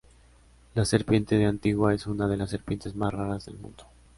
La serpiente de antigua es una de las serpientes más raras del mundo.